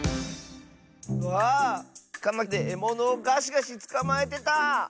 うわあカマでえものをガシガシつかまえてた。